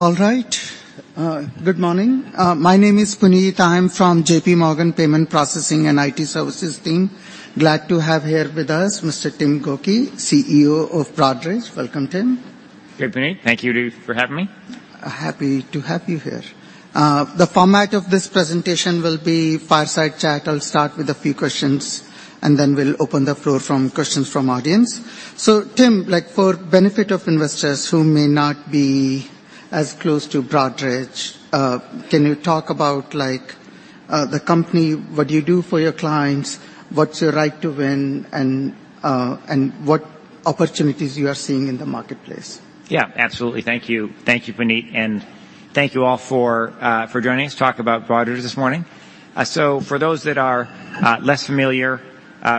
All right. Good morning. My name is Puneet. I'm from J.P. Morgan Payment Processing and IT Services team. Glad to have here with us Mr. Tim Gokey, CEO of Broadridge. Welcome, Tim. Good, Puneet. Thank you for having me. Happy to have you here. The format of this presentation will be fireside chat. I'll start with a few questions, and then we'll open the floor from questions from audience. So Tim, like, for benefit of investors who may not be as close to Broadridge, can you talk about, like, the company, what you do for your clients, what's your right to win, and, and what opportunities you are seeing in the marketplace? Yeah, absolutely. Thank you. Thank you, Puneet, and thank you all for joining us to talk about Broadridge this morning. For those that are less familiar,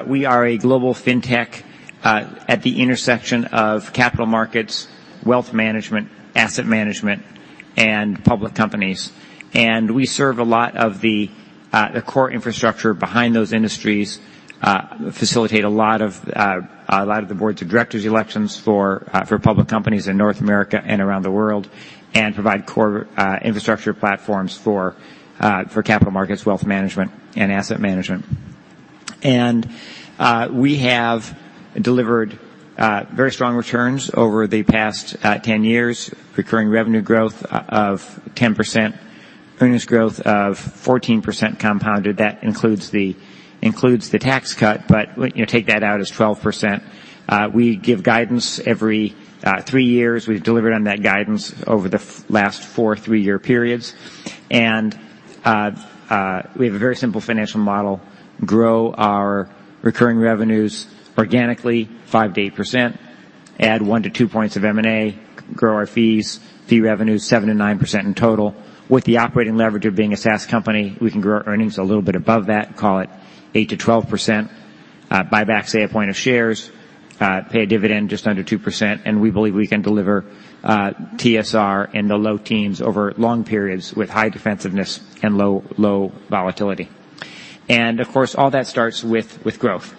we are a global fintech at the intersection of capital markets, wealth management, asset management, and public companies. We serve a lot of the core infrastructure behind those industries, facilitate a lot of a lot of the board of directors' elections for public companies in North America and around the world, and provide core infrastructure platforms for capital markets, wealth management, and asset management. We have delivered very strong returns over the past 10 years, recurring revenue growth of 10%, earnings growth of 14% compounded. That includes the tax cut, but, you know, take that out, is 12%. We give guidance every three years. We've delivered on that guidance over the last four three-year periods. And we have a very simple financial model: grow our recurring revenues organically, 5% to 8%, add 1 to 2 points of M&A, grow our fee revenue, 7% to 9% in total. With the operating leverage of being a SaaS company, we can grow our earnings a little bit above that, call it 8% to 12%. Buy back, say, a point of shares, pay a dividend just under 2%, and we believe we can deliver TSR in the low teens over long periods with high defensiveness and low volatility. And of course, all that starts with growth.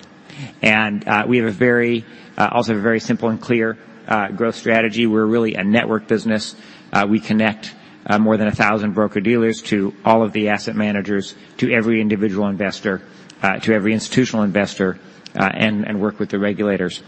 We have a very, also a very simple and clear, growth strategy. We're really a network business. We connect more than 1,000 broker-dealers to all of the asset managers, to every individual investor, to every institutional investor, and, and work with the regulators.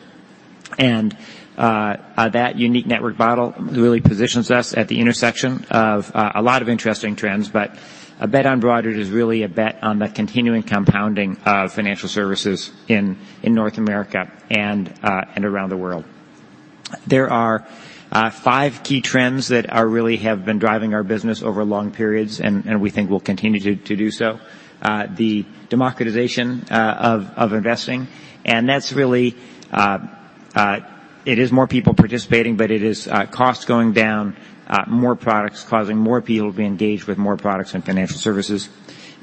And, that unique network model really positions us at the intersection of a lot of interesting trends. But a bet on Broadridge is really a bet on the continuing compounding of financial services in, in North America and, and around the world. There are five key trends that are really have been driving our business over long periods, and, and we think will continue to, to do so. The democratization of investing, and that's really... It is more people participating, but it is costs going down, more products, causing more people to be engaged with more products and financial services.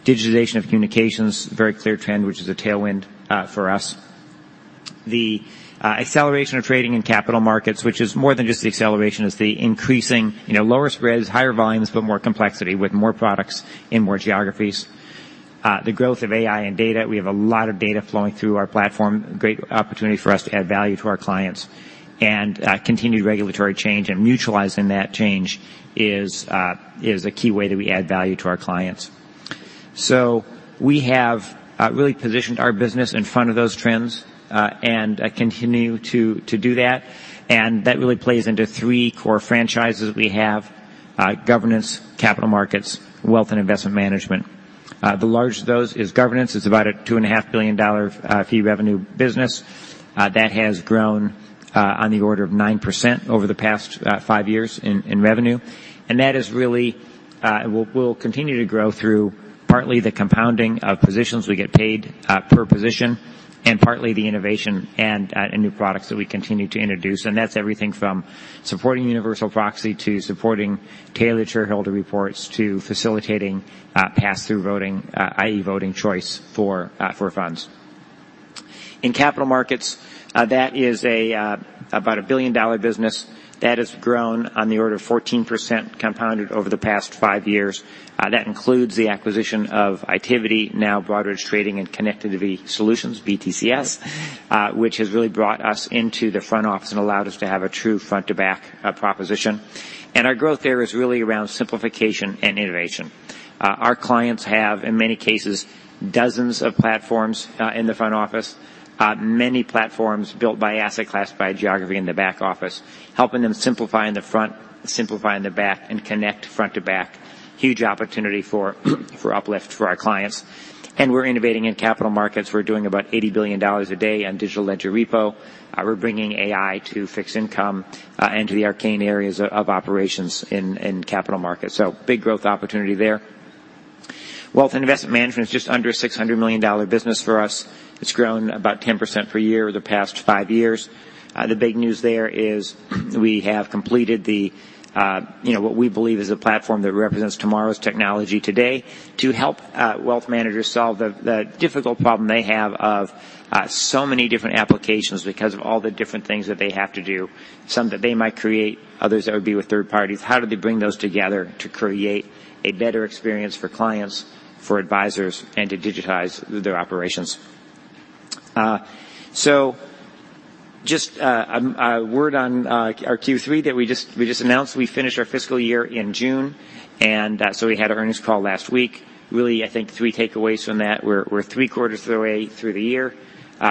Digitization of communications, very clear trend, which is a tailwind for us. The acceleration of trading in capital markets, which is more than just the acceleration, is the increasing, you know, lower spreads, higher volumes, but more complexity, with more products in more geographies. The growth of AI and data. We have a lot of data flowing through our platform, great opportunity for us to add value to our clients. Continued regulatory change and mutualizing that change is a key way that we add value to our clients. So we have really positioned our business in front of those trends, and continue to do that, and that really plays into three core franchises we have: governance, capital markets, wealth and investment management. The largest of those is governance. It's about a $2.5 billion fee revenue business that has grown on the order of 9% over the past five years in revenue. And that really will continue to grow through partly the compounding of positions. We get paid per position, and partly the innovation and new products that we continue to introduce, and that's everything from supporting universal proxy to supporting tailored shareholder reports to facilitating pass-through voting, i.e., voting choice for funds. In capital markets, that is about a billion-dollar business that has grown on the order of 14% compounded over the past five years. That includes the acquisition of Itiviti AB, now Broadridge Trading and Connectivity Solutions (BTCS), which has really brought us into the front office and allowed us to have a true front-to-back proposition. And our growth there is really around simplification and innovation. Our clients have, in many cases, dozens of platforms in the front office, many platforms built by asset class, by geography in the back office, helping them simplify in the front, simplify in the back, and connect front to back. Huge opportunity for uplift for our clients. And we're innovating in capital markets. We're doing about $80 billion a day on digital ledger repo. We're bringing AI to fixed income and to the arcane areas of operations in capital markets. So big growth opportunity there. Wealth and investment management is just under $600 million business for us. It's grown about 10% per year over the past five years. The big news there is we have completed you know what we believe is a platform that represents tomorrow's technology today to help wealth managers solve the difficult problem they have of so many different applications because of all the different things that they have to do, some that they might create, others that would be with third parties. How do they bring those together to create a better experience for clients, for advisors, and to digitize their operations?... So just a word on our Q3 that we just announced. We finished our fiscal year in June, and so we had our earnings call last week. Really, I think three takeaways from that. We're three-quarters of the way through the year.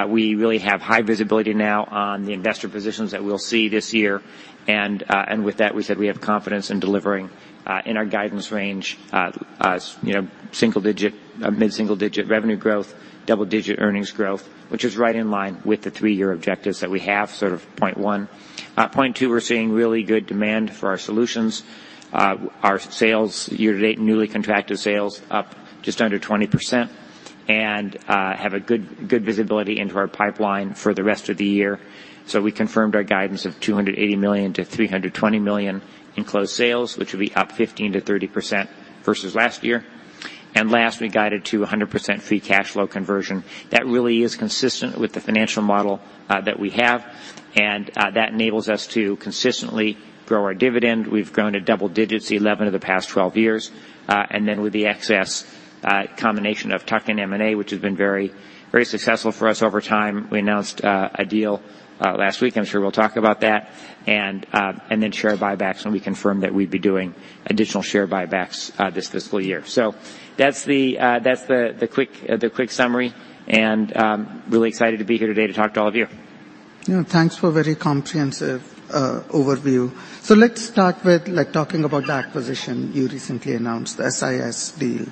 We really have high visibility now on the investor positions that we'll see this year, and with that, we said we have confidence in delivering in our guidance range, you know, single-digit, mid-single-digit revenue growth, double-digit earnings growth, which is right in line with the three-year objectives that we have, sort of point one. Point two, we're seeing really good demand for our solutions. Our sales year-to-date, newly contracted sales, up just under 20%, and have a good, good visibility into our pipeline for the rest of the year. So we confirmed our guidance of $280 million to $320 million in closed sales, which will be up 15% to 30% versus last year. Last, we guided to 100% free cash flow conversion. That really is consistent with the financial model that we have, and that enables us to consistently grow our dividend. We've grown it double digits, 11 of the past 12 years. And then with the excess, combination of tuck-in M&A, which has been very, very successful for us over time. We announced a deal last week. I'm sure we'll talk about that. And then share buybacks, and we confirmed that we'd be doing additional share buybacks this fiscal year. So that's the quick summary, and really excited to be here today to talk to all of you. Yeah. Thanks for a very comprehensive overview. So let's start with, like, talking about the acquisition you recently announced, the SIS deal.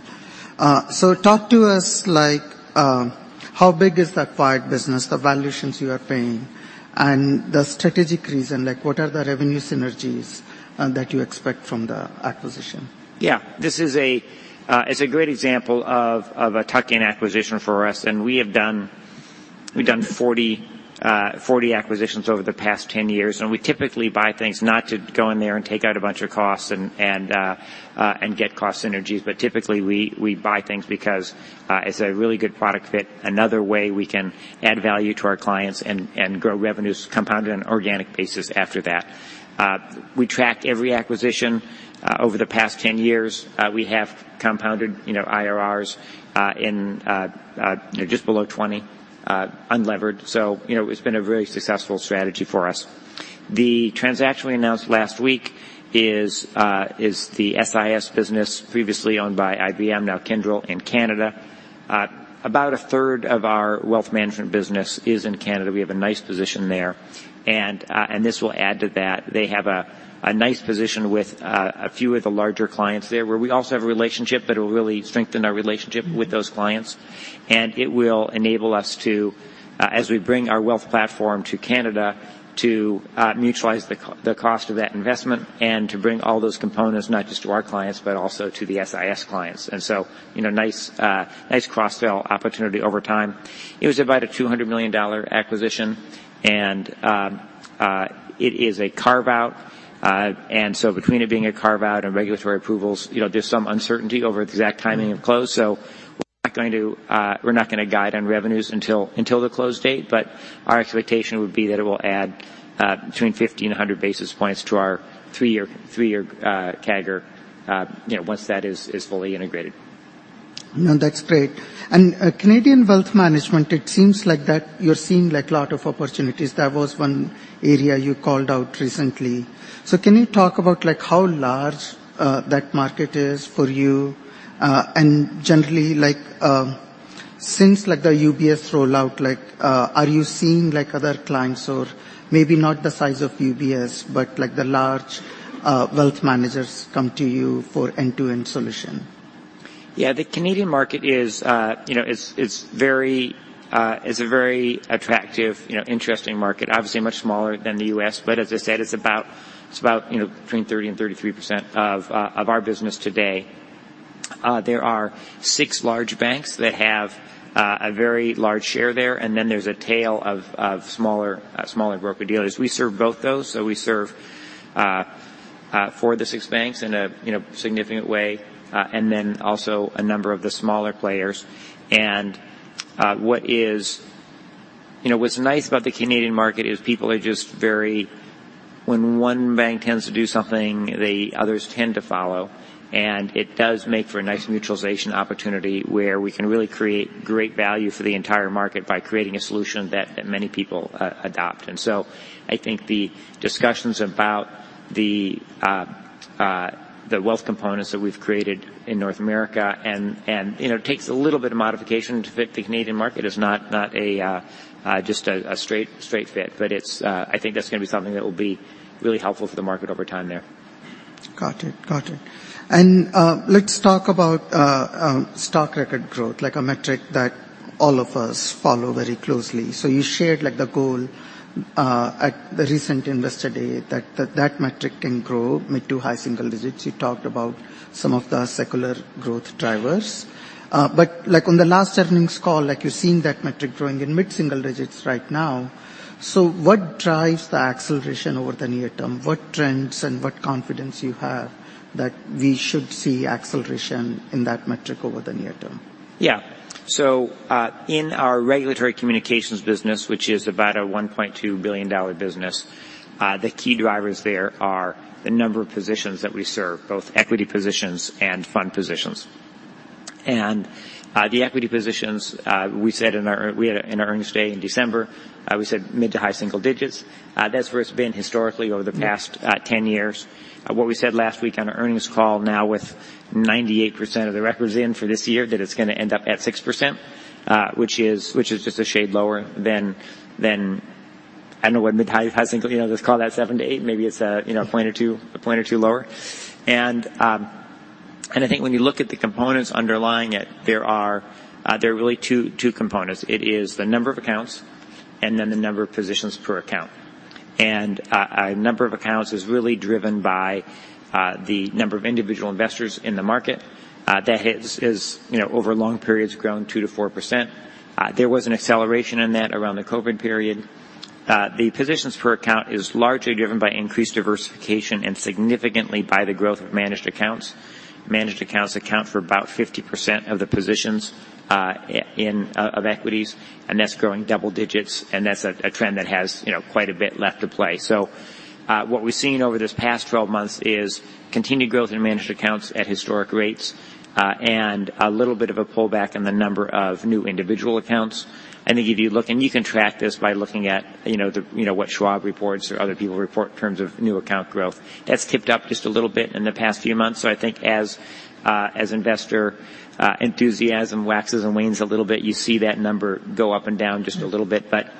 So talk to us like, how big is the acquired business, the valuations you are paying, and the strategic reason, like what are the revenue synergies, that you expect from the acquisition? Yeah. This is a great example of a tuck-in acquisition for us, and we have done 40 acquisitions over the past 10 years, and we typically buy things not to go in there and take out a bunch of costs and get cost synergies, but typically we buy things because it's a really good product fit, another way we can add value to our clients and grow revenues, compounded on an organic basis after that. We track every acquisition. Over the past 10 years, we have compounded, you know, IRRs in just below 20 unlevered. So, you know, it's been a very successful strategy for us. The transaction we announced last week is the SIS business previously owned by IBM, now Kyndryl in Canada. About a third of our wealth management business is in Canada. We have a nice position there, and this will add to that. They have a nice position with a few of the larger clients there, where we also have a relationship, but it'll really strengthen our relationship with those clients. And it will enable us to, as we bring our wealth platform to Canada, to mutualize the cost of that investment and to bring all those components, not just to our clients, but also to the SIS clients, and so, you know, nice cross-sell opportunity over time. It was about a $200 million acquisition, and it is a carve-out. And so between it being a carve-out and regulatory approvals, you know, there's some uncertainty over the exact timing of close, so we're not going to, we're not going to guide on revenues until, until the close date, but our expectation would be that it will add, between 50 and 100 basis points to our three-year, three-year, CAGR, you know, once that is, is fully integrated. No, that's great. And Canadian wealth management, it seems like that you're seeing, like, a lot of opportunities. That was one area you called out recently. So can you talk about, like, how large that market is for you? And generally, like, since, like, the UBS rollout, like, are you seeing, like, other clients or maybe not the size of UBS, but, like, the large wealth managers come to you for end-to-end solution? Yeah, the Canadian market is, you know, is, is very, is a very attractive, you know, interesting market. Obviously, much smaller than the U.S., but as I said, it's about, it's about, you know, between 30% and 33% of, of our business today. There are six large banks that have, a very large share there, and then there's a tail of, of smaller, smaller broker-dealers. We serve both those, so we serve, four of the six banks in a, you know, significant way, and then also a number of the smaller players. And, what is... You know, what's nice about the Canadian market is people are just very... When one bank tends to do something, the others tend to follow, and it does make for a nice mutualization opportunity, where we can really create great value for the entire market by creating a solution that many people adopt. And so I think the discussions about the wealth components that we've created in North America and, you know, it takes a little bit of modification to fit the Canadian market. It's not just a straight fit, but it's, I think that's going to be something that will be really helpful for the market over time there. Got it. Got it. Let's talk about stock record growth, like a metric that all of us follow very closely. So you shared, like, the goal at the recent Investor Day, that that metric can grow mid- to high-single digits. You talked about some of the secular growth drivers. But, like, on the last earnings call, like, you're seeing that metric growing in mid-single digits right now. So what drives the acceleration over the near term? What trends and what confidence you have that we should see acceleration in that metric over the near term? Yeah. So, in our regulatory communications business, which is about a $1.2 billion business, the key drivers there are the number of positions that we serve, both equity positions and fund positions. And, the equity positions, we said in our, we had in our earnings day in December, we said mid- to high-single digits. That's where it's been historically over the past 10 years. What we said last week on our earnings call, now with 98% of the records in for this year, that it's gonna end up at 6%, which is, which is just a shade lower than, than I don't know what mid-high, high single, you know, just call that 7% to 8%. Maybe it's a, you know, a point or two, a point or two lower. I think when you look at the components underlying it, there are really two components. It is the number of accounts and then the number of positions per account. And number of accounts is really driven by the number of individual investors in the market. That has, you know, over long periods, grown 2% to 4%. There was an acceleration in that around the COVID period. The positions per account is largely driven by increased diversification and significantly by the growth of managed accounts. Managed Accounts account for about 50% of the positions of equities, and that's growing double digits, and that's a trend that has, you know, quite a bit left to play. So, what we've seen over this past 12 months is continued growth in managed accounts at historic rates, and a little bit of a pullback in the number of new individual accounts. I think if you look and you can track this by looking at, you know, the, you know, what Schwab reports or other people report in terms of new account growth. That's tipped up just a little bit in the past few months. So I think as investor enthusiasm waxes and wanes a little bit, you see that number go up and down just a little bit. But,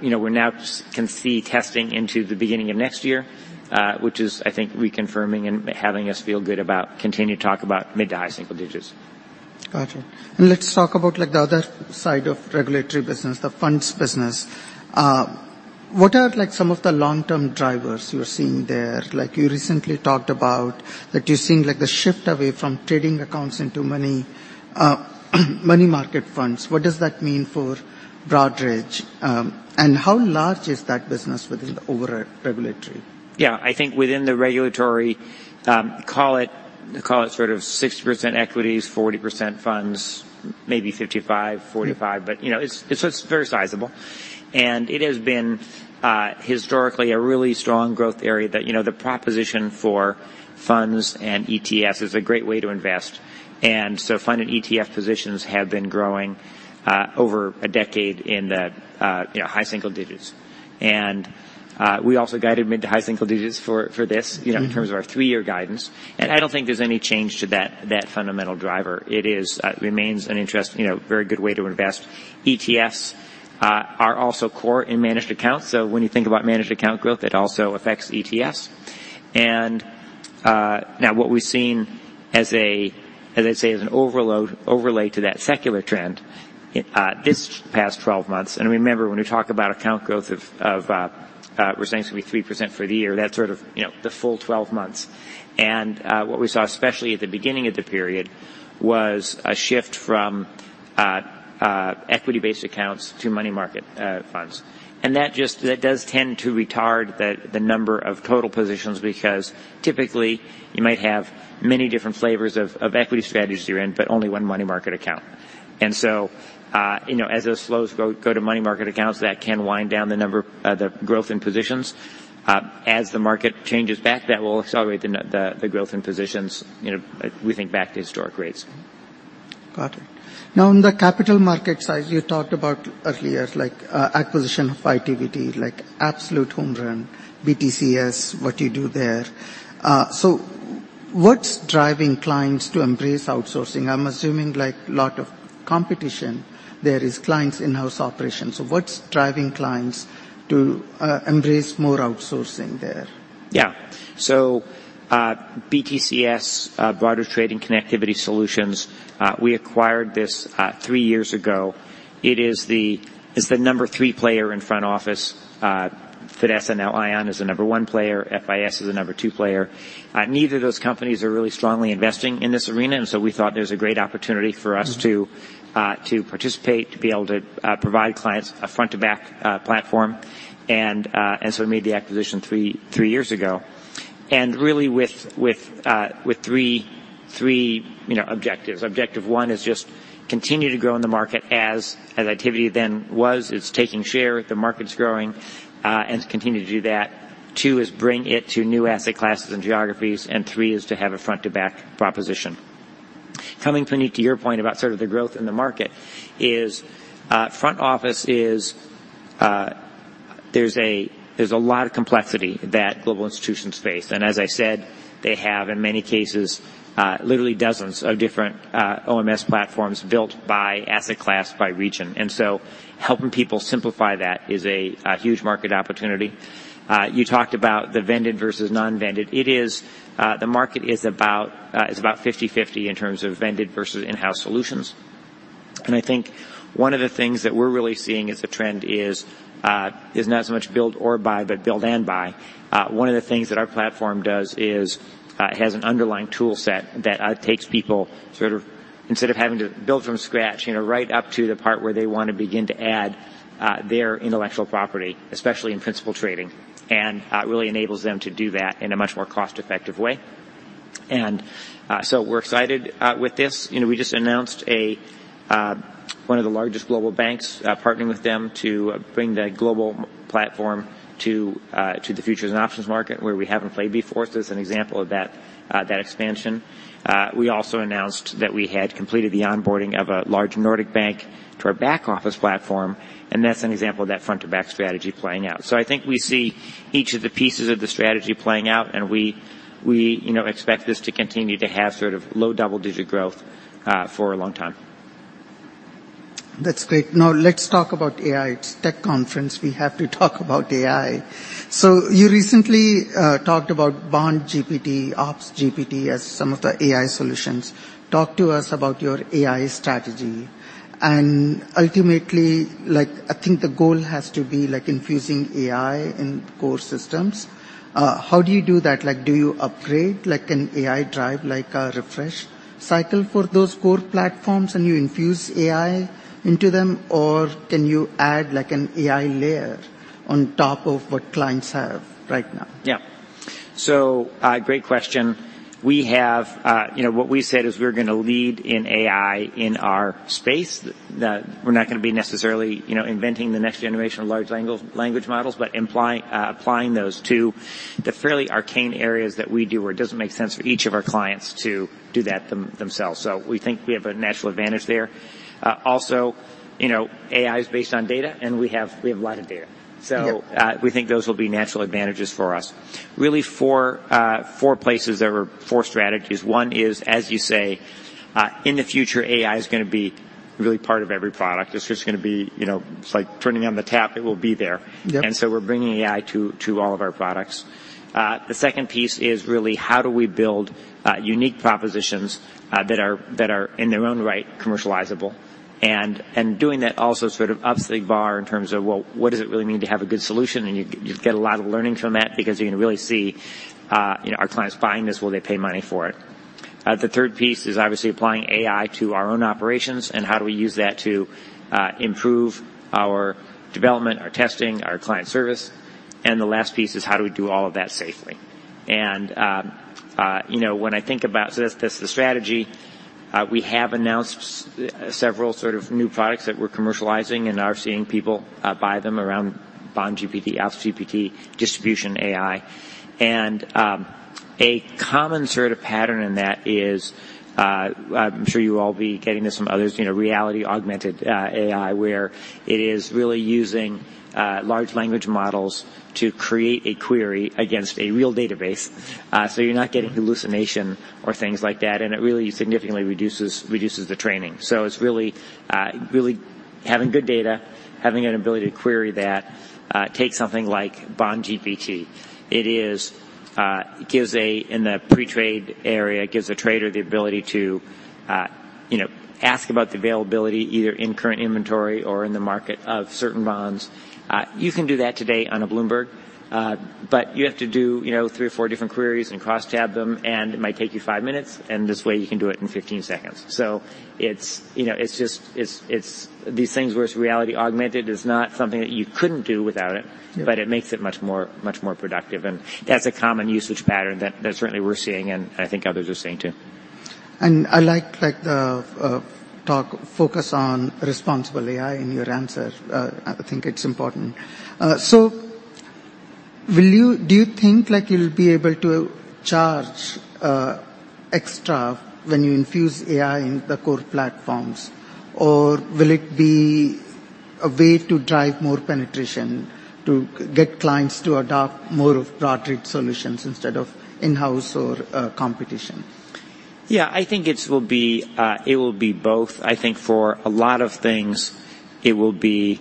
you know, we're now can see testing into the beginning of next year, which is, I think, reconfirming and having us feel good about continuing to talk about mid- to high-single digits. Got you. Let's talk about, like, the other side of regulatory business, the funds business. What are, like, some of the long-term drivers you're seeing there? Like, you recently talked about that you're seeing, like, the shift away from trading accounts into money, money market funds. What does that mean for Broadridge? And how large is that business within the overall regulatory? Yeah, I think within the regulatory, call it sort of 60% equities, 40% funds, maybe 55% to 45%. Mm-hmm. But, you know, it's, it's very sizable, and it has been historically a really strong growth area that, you know, the proposition for funds and ETFs is a great way to invest. And so fund and ETF positions have been growing over a decade in the, you know, high single digits. And we also guided mid to high single digits for, for this- Mm-hmm. You know, in terms of our 3-year guidance. And I don't think there's any change to that, that fundamental driver. It is, remains an interest, you know, very good way to invest. ETFs are also core in managed accounts, so when you think about managed account growth, it also affects ETFs. And, now what we've seen as a, as I'd say, an overlay to that secular trend, this past 12 months. And remember, when we talk about account growth, we're saying it's gonna be 3% for the year, that's sort of, you know, the full 12 months. And, what we saw, especially at the beginning of the period, was a shift from equity-based accounts to money market funds. And that does tend to retard the number of total positions, because typically you might have many different flavors of equity strategies you're in, but only one money market account. And so, you know, as those flows go to money market accounts, that can wind down the number, the growth in positions. As the market changes back, that will accelerate the growth in positions, you know, we think back to historic rates. Got it. Now, on the capital markets side, you talked about earlier, like, acquisition of Itiviti, like absolute home run, BTCS, what you do there. So what's driving clients to embrace outsourcing? I'm assuming, like, lot of competition there is clients' in-house operations. So what's driving clients to embrace more outsourcing there? Yeah. So, BTCS, Broadridge Trading Connectivity Solutions, we acquired this three years ago. It's the number three player in front office. Fidessa, now Ion, is the number one player. FIS is the number two player. Neither of those companies are really strongly investing in this arena, and so we thought there's a great opportunity for us- Mm. To participate, to be able to provide clients a front-to-back platform. And so we made the acquisition three years ago. And really, with three, you know, objectives. Objective one is just continue to grow in the market as Itiviti then was. It's taking share, the market's growing, and continue to do that. Two, is bring it to new asset classes and geographies, and three, is to have a front-to-back proposition. Coming, Puneet, to your point about sort of the growth in the market is, front office is, there's a lot of complexity that global institutions face. And as I said, they have, in many cases, literally dozens of different OMS platforms built by asset class, by region. And so helping people simplify that is a huge market opportunity. You talked about the vended versus non-vended. It is. The market is about 50/50 in terms of vended versus in-house solutions. And I think one of the things that we're really seeing as a trend is not so much build or buy, but build and buy. One of the things that our platform does is it has an underlying tool set that takes people sort of, instead of having to build from scratch, you know, right up to the part where they want to begin to add their intellectual property, especially in principal trading, and it really enables them to do that in a much more cost-effective way. And so we're excited with this. You know, we just announced a one of the largest global banks partnering with them to bring their global platform to the futures and options market, where we haven't played before. So as an example of that that expansion, we also announced that we had completed the onboarding of a large Nordic bank to our back office platform, and that's an example of that front-to-back strategy playing out. So I think we see each of the pieces of the strategy playing out, and we, we, you know, expect this to continue to have sort of low double-digit growth for a long time. That's great. Now, let's talk about AI. It's tech conference, we have to talk about AI. So you recently talked about BondGPT, OpsGPT, as some of the AI solutions. Talk to us about your AI strategy. And ultimately, like, I think the goal has to be, like, infusing AI in core systems. How do you do that? Like, do you upgrade, like an AI drive, like a refresh cycle for those core platforms, and you infuse AI into them? Or can you add, like, an AI layer on top of what clients have right now? Yeah. So, great question. We have... You know, what we said is we're gonna lead in AI in our space, that we're not gonna be necessarily, you know, inventing the next generation of large language models, but applying those to the fairly arcane areas that we do, where it doesn't make sense for each of our clients to do that themselves. So we think we have a natural advantage there. Also, you know, AI is based on data, and we have a lot of data. Yeah. So, we think those will be natural advantages for us. Really, four, four places or four strategies. One is, as you say, in the future, AI is gonna be really part of every product. It's just gonna be, you know, it's like turning on the tap, it will be there. Yep. And so we're bringing AI to all of our products. The second piece is really how do we build unique propositions that are, in their own right, commercializable? And doing that also sort of ups the bar in terms of, well, what does it really mean to have a good solution? And you get a lot of learning from that because you can really see, you know, are clients buying this, will they pay money for it? The third piece is obviously applying AI to our own operations, and how do we use that to improve our development, our testing, our client service? And the last piece is how do we do all of that safely? You know, when I think about... So that's the strategy. We have announced several sort of new products that we're commercializing and are seeing people buy them around BondGPT, OpsGPT, Distribution AI. And a common sort of pattern in that is... I'm sure you will all be getting this from others, you know, reality augmented AI, where it is really using large language models to create a query against a real database. So you're not getting hallucination or things like that, and it really significantly reduces the training. So it's really really having good data, having an ability to query that, take something like BondGPT. It is gives a, in the pre-trade area, gives a trader the ability to, you know, ask about the availability, either in current inventory or in the market of certain bonds. You can do that today on a Bloomberg, but you have to do, you know, 3 or 4 different queries and cross tab them, and it might take you 5 minutes, and this way, you can do it in 15 seconds. So it's, you know, it's just, it's, it's these things where it's reality augmented, is not something that you couldn't do without it- Yeah. But it makes it much more, much more productive. And that's a common usage pattern that, that certainly we're seeing, and I think others are seeing, too. I like the focus on responsible AI in your answer. I think it's important. Do you think, like, you'll be able to charge extra when you infuse AI in the core platforms? Or will it be a way to drive more penetration, to get clients to adopt more of product solutions instead of in-house or competition? Yeah, I think it will be, it will be both. I think for a lot of things, it will be...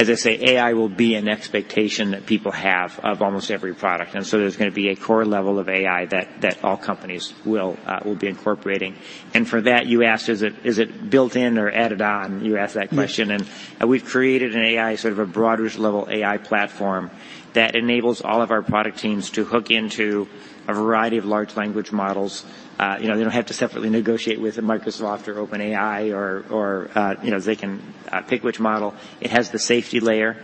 As I say, AI will be an expectation that people have of almost every product, and so there's gonna be a core level of AI that, that all companies will, will be incorporating. And for that, you asked, is it, is it built in or added on? You asked that question. Yeah. We've created an AI, sort of a broad-ish level AI platform, that enables all of our product teams to hook into a variety of large language models. You know, they don't have to separately negotiate with a Microsoft or OpenAI or, you know, they can pick which model. It has the safety layer.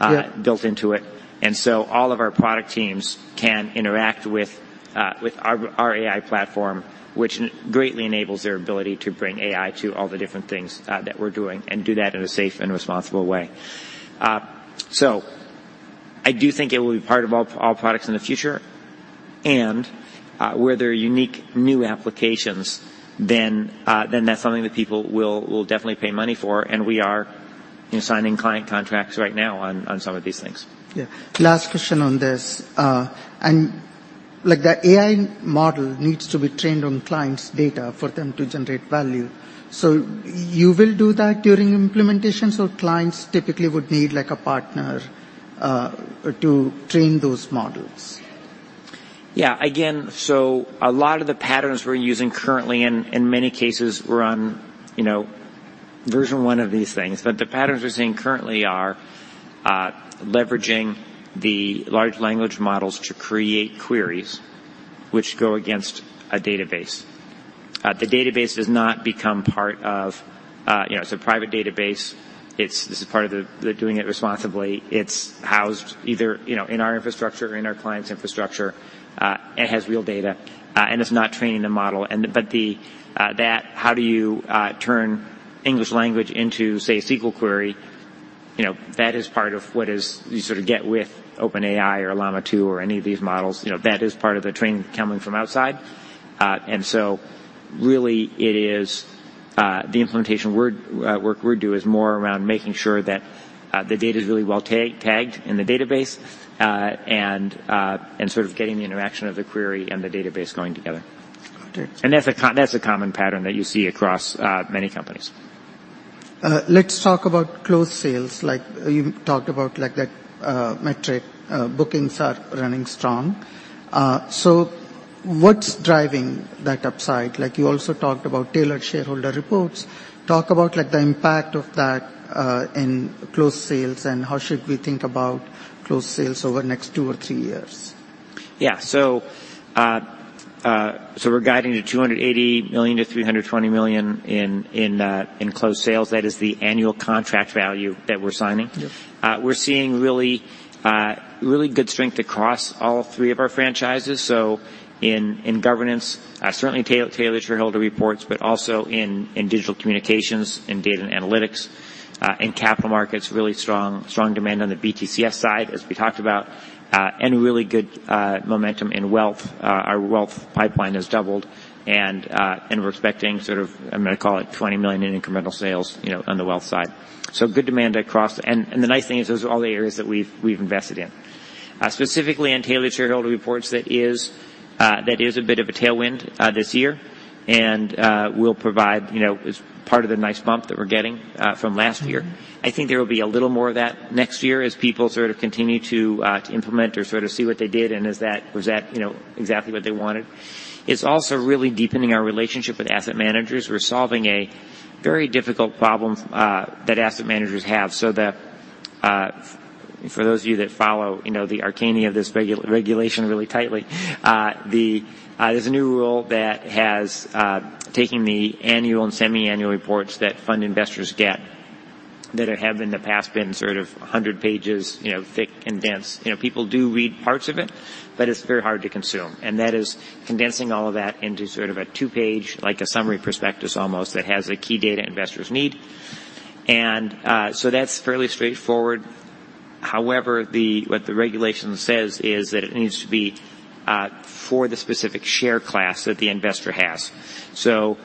Yeah... built into it. And so all of our product teams can interact with, with our, our AI platform, which greatly enables their ability to bring AI to all the different things, that we're doing, and do that in a safe and responsible way. So I do think it will be part of all, all products in the future. And, where there are unique, new applications, then, then that's something that people will, will definitely pay money for, and we are, you know, signing client contracts right now on, on some of these things. Yeah. Last question on this. And, like, the AI model needs to be trained on clients' data for them to generate value. So you will do that during implementation, so clients typically would need, like, a partner to train those models? Yeah. Again, so a lot of the patterns we're using currently, and in many cases, we're on, you know, version one of these things, but the patterns we're seeing currently are leveraging the large language models to create queries which go against a database. The database does not become part of, you know, it's a private database. It's—This is part of the doing it responsibly. It's housed either, you know, in our infrastructure or in our client's infrastructure, it has real data, and it's not training the model. And but the that how do you turn English language into, say, a SQL query? You know, that is part of what is you sort of get with OpenAI or Llama 2 or any of these models, you know, that is part of the training coming from outside. So really it is the implementation work we do is more around making sure that the data is really well tagged in the database, and sort of getting the interaction of the query and the database going together. Got you. That's a common pattern that you see across many companies. Let's talk about closed sales. Like you talked about, like that metric, bookings are running strong. So what's driving that upside? Like, you also talked about tailored shareholder reports. Talk about, like, the impact of that in closed sales, and how should we think about closed sales over the next two or three years? Yeah. So, we're guiding to $280 million-$320 million in closed sales. That is the annual contract value that we're signing. Yeah. We're seeing really good strength across all three of our franchises. So in governance, certainly tailored shareholder reports, but also in digital communications, in data and analytics, in capital markets, really strong demand on the BTCS side, as we talked about, and really good momentum in wealth. Our wealth pipeline has doubled, and we're expecting sort of, I'm gonna call it $20 million in incremental sales, you know, on the wealth side. So good demand across... And the nice thing is those are all the areas that we've invested in. Specifically in tailored shareholder reports, that is a bit of a tailwind this year, and we'll provide, you know, as part of the nice bump that we're getting from last year. Mm-hmm. I think there will be a little more of that next year as people sort of continue to implement or sort of see what they did and is that, was that, you know, exactly what they wanted. It's also really deepening our relationship with asset managers. We're solving a very difficult problem that asset managers have. So, for those of you that follow, you know, the arcana of this regulation really tightly, there's a new rule that has taken the annual and semi-annual reports that fund investors get, that have in the past been sort of a hundred pages, you know, thick and dense. You know, people do read parts of it, but it's very hard to consume, and that is condensing all of that into sort of a two-page, like a summary prospectus, almost, that has the key data investors need. And, so that's fairly straightforward. However, what the regulation says is that it needs to be, for the specific share class that the investor has. So,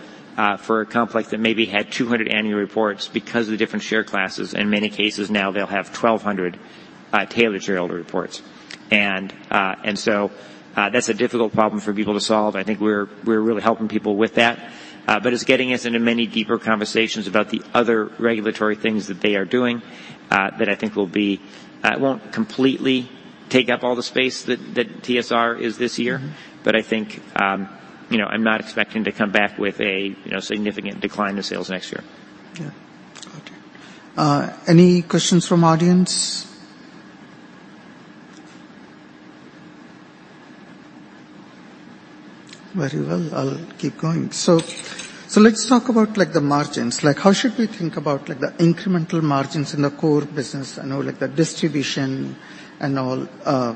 for a complex that maybe had 200 annual reports because of the different share classes, in many cases now, they'll have 1,200 tailored shareholder reports. And, and so, that's a difficult problem for people to solve. I think we're, we're really helping people with that, but it's getting us into many deeper conversations about the other regulatory things that they are doing, that I think will be... It won't completely take up all the space that TSR is this year- Mm-hmm. But I think, you know, I'm not expecting to come back with a, you know, significant decline in sales next year. Yeah. Okay. Any questions from audience? Very well, I'll keep going. So, so let's talk about, like, the margins. Like, how should we think about, like, the incremental margins in the core business? I know, like, the distribution and all,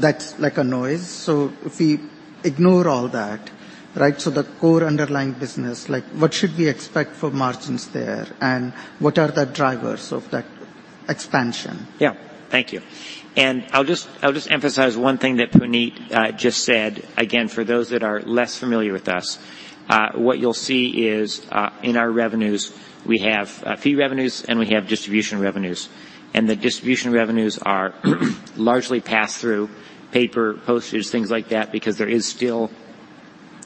that's like a noise. So if we ignore all that, right, so the core underlying business, like, what should we expect for margins there, and what are the drivers of that expansion? Yeah. Thank you. And I'll just, I'll just emphasize one thing that Puneet just said. Again, for those that are less familiar with us, what you'll see is, in our revenues, we have fee revenues, and we have distribution revenues. And the distribution revenues are, largely pass through paper, postage, things like that, because there is still...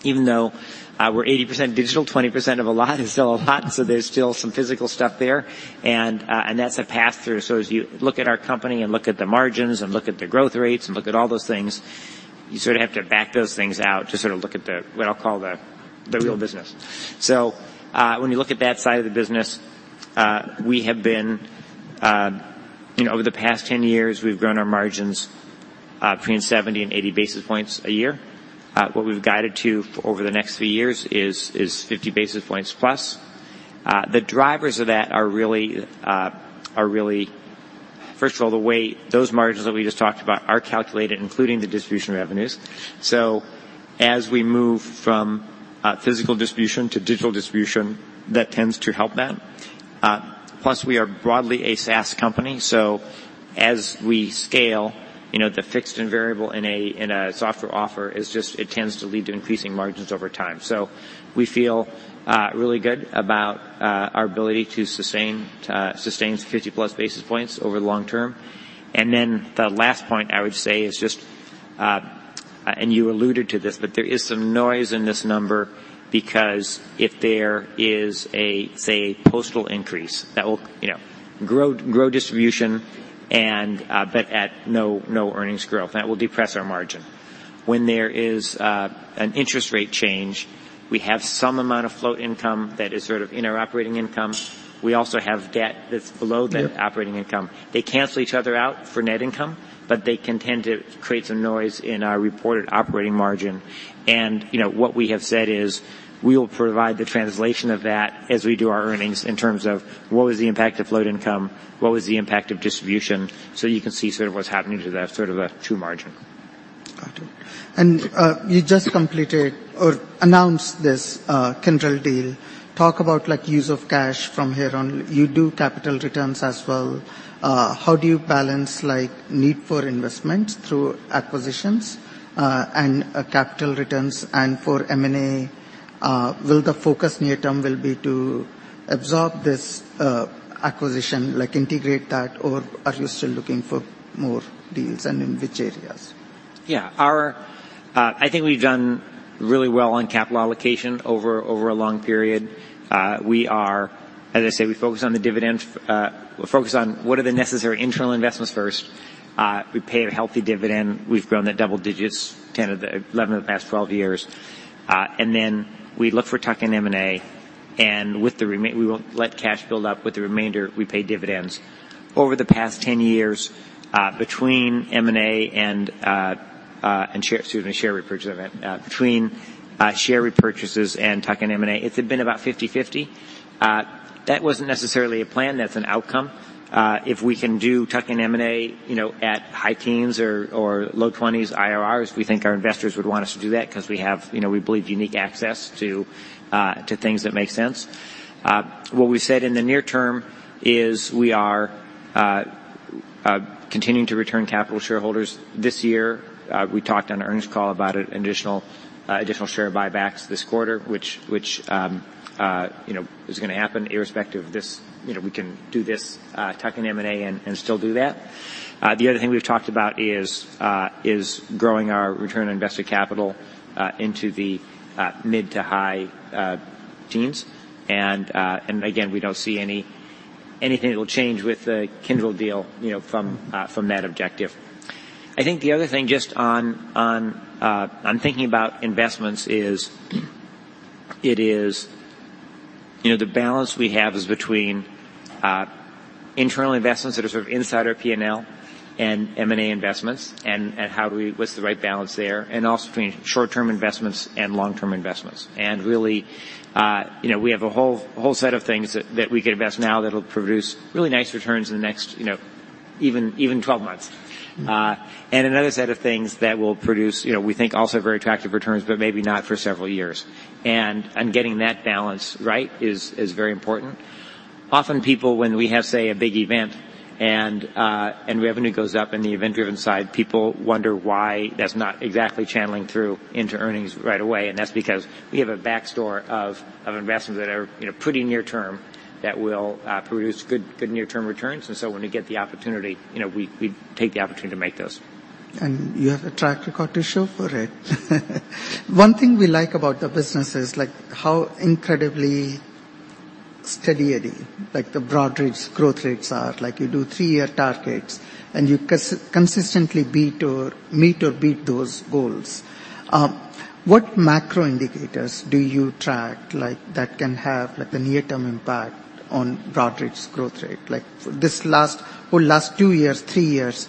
Even though, we're 80% digital, 20% of a lot is still a lot, so there's still some physical stuff there. And, and that's a pass-through. So as you look at our company and look at the margins, and look at the growth rates, and look at all those things, you sort of have to back those things out to sort of look at the, what I'll call the, the real business. When you look at that side of the business, we have been, you know, over the past 10 years, we've grown our margins between 70 and 80 basis points a year. What we've guided to over the next 3 years is 50 basis points plus. The drivers of that are really... First of all, the way those margins that we just talked about are calculated, including the distribution revenues. So as we move from physical distribution to digital distribution, that tends to help that. Plus, we are broadly a SaaS company, so as we scale, you know, the fixed and variable in a software offer is just, it tends to lead to increasing margins over time. So we feel really good about our ability to sustain 50+ basis points over the long term. And then the last point I would say is just and you alluded to this, but there is some noise in this number, because if there is a, say, postal increase, that will, you know, grow distribution and but at no earnings growth, that will depress our margin. When there is an interest rate change, we have some amount of float income that is sort of in our operating income. We also have debt that's below- Yeah... the operating income. They cancel each other out for net income, but they can tend to create some noise in our reported operating margin. And, you know, what we have said is, we will provide the translation of that as we do our earnings in terms of what was the impact of float income, what was the impact of distribution, so you can see sort of what's happening to that sort of a true margin.... Got it. And, you just completed or announced this, Kyndryl deal. Talk about like use of cash from here on. You do capital returns as well. How do you balance, like, need for investment through acquisitions, and capital returns? And for M&A, will the focus near term will be to absorb this, acquisition, like integrate that, or are you still looking for more deals, and in which areas? Yeah. Our, I think we've done really well on capital allocation over a long period. We are. As I say, we focus on the dividend. We're focused on what are the necessary internal investments first. We pay a healthy dividend. We've grown at double digits, 10 of the 11 of the past 12 years. And then we look for tuck-in M&A, and with the remainder, we won't let cash build up. With the remainder, we pay dividends. Over the past 10 years, between M&A and, and share, excuse me, share repurchase event, between, share repurchases and tuck-in M&A, it had been about 50/50. That wasn't necessarily a plan, that's an outcome. If we can do tuck-in M&A, you know, at high teens or low twenties IRRs, we think our investors would want us to do that 'cause we have, you know, we believe, unique access to, to things that make sense. What we said in the near term is we are continuing to return capital to shareholders. This year, we talked on the earnings call about an additional additional share buybacks this quarter, which, you know, is gonna happen irrespective of this. You know, we can do this tuck-in M&A and still do that. The other thing we've talked about is growing our return on invested capital into the mid to high teens. And again, we don't see anything that will change with the Kyndryl deal, you know, from, from that objective. I think the other thing, just on thinking about investments is, it is. You know, the balance we have is between internal investments that are sort of inside our P&L, and M&A investments, and how do we – what's the right balance there? And also between short-term investments and long-term investments. And really, you know, we have a whole set of things that we can invest now that'll produce really nice returns in the next, you know, even 12 months. And another set of things that will produce, you know, we think also very attractive returns, but maybe not for several years. And getting that balance right is very important. Often people, when we have, say, a big event, and revenue goes up in the event-driven side, people wonder why that's not exactly channeling through into earnings right away, and that's because we have a backstore of investments that are, you know, pretty near term, that will produce good, good near-term returns. And so when we get the opportunity, you know, we take the opportunity to make those. You have a track record to show for it. One thing we like about the business is, like, how incredibly steady, Eddie, like the Broadridge growth rates are. Like, you do three-year targets, and you consistently beat or meet or beat those goals. What macro indicators do you track, like, that can have, like, a near-term impact on Broadridge's growth rate? Like, for this last, well, last two years, three years,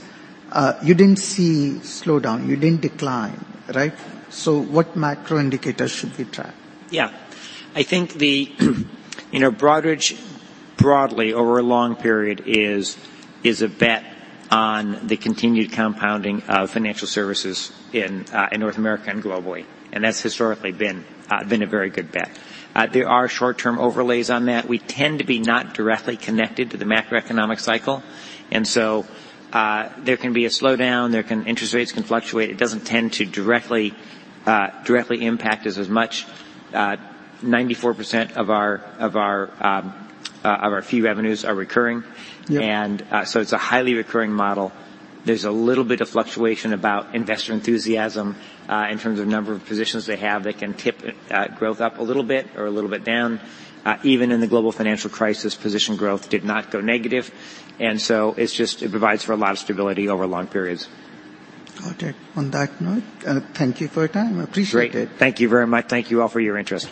you didn't see slowdown, you didn't decline, right? So what macro indicators should we track? Yeah. I think the, you know, Broadridge, broadly, over a long period, is a bet on the continued compounding of financial services in North America and globally, and that's historically been a very good bet. There are short-term overlays on that. We tend to be not directly connected to the macroeconomic cycle, and so there can be a slowdown, there can... Interest rates can fluctuate. It doesn't tend to directly impact us as much. 94% of our fee revenues are recurring. Yeah. So it's a highly recurring model. There's a little bit of fluctuation about investor enthusiasm in terms of number of positions they have. They can tip growth up a little bit or a little bit down. Even in the global financial crisis, position growth did not go negative, and so it's just it provides for a lot of stability over long periods. Got it. On that note, thank you for your time. I appreciate it. Great. Thank you very much. Thank you all for your interest.